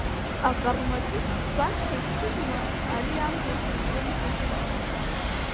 Аҟармаҵыс баша иԥшызма, Ари амбо зынӡа ижәызма…